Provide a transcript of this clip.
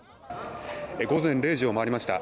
午前０時を回りました。